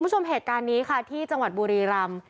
คุณผู้ชมเหตุการณ์นี้ค่ะที่จังหวัดบุรีรำ